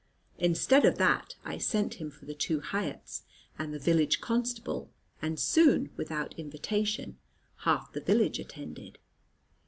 Instead of that I sent him for the two Hiatts, and the village constable; and soon, without invitation, half the village attended.